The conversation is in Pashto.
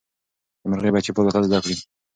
د مرغۍ بچي به الوتل زده کړي.